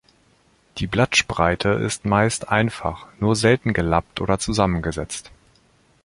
Die Blattspreite ist meist einfach, nur selten gelappt oder zusammengesetzt.